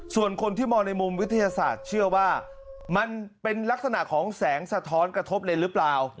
ส่วนคนที่มองในมุมวิทยาศาสตร์เชื่อว่ามันเป็นลักษณะของแสงสะท้อนกระทบเลยหรือเปล่า